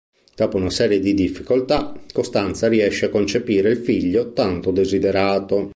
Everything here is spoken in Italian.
Dopo una serie di difficoltà Costanza riesce a concepire il figlio tanto desiderato.